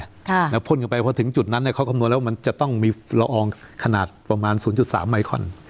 ค่ะแล้วพ่นกันไปเพราะถึงจุดนั้นเนี่ยเค้าคำนวณแล้วว่ามันจะต้องมีละอองขนาดประมาณ๐๓ไมคอน